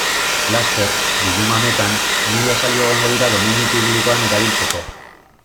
Laster, bilduma honetan, mila esaldi egongo dira domeinu publikoan erabiltzeko.